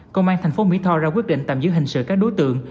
công an thành phố mỹ tho ra quyết định tạm giữ hình sự các đối tượng